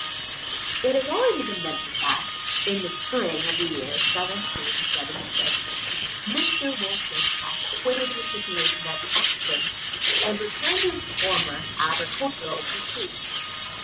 It has already been mentioned that, in the spring of the year 1776, Mr. Wollstonecraft quitted his situation at Hoxton, and returned to his former agricultural pursuits.